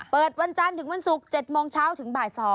เปิดวันจันทร์ถึงวันศุกร์๗โมงเช้าถึงบ่าย๒